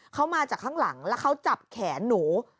เขามาจากข้างหลังแล้วเขาจับแขนหนู